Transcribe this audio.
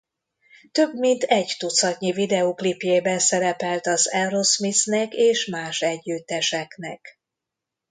Több mint egy tucatnyi videóklipjében szerepelt az Aerosmithnek és más együtteseknek.